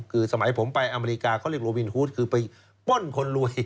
คือสมัยผมไปอเมริกาเขาเรียกโรวินฮูดคือไปป้นคนรวย